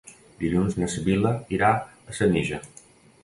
Dilluns na Sibil·la irà a Senija.